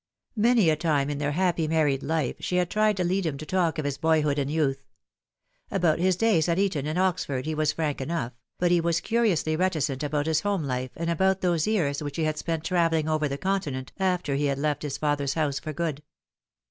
Many a time in their happy married life she had tried to lead him to talk of his boyhood and youth. About his days at Eton and Oxford he was frank enough, but he was curiously reticent about his home life and about those "years which he had spent travelling over the Continent after he had left his father's house for good.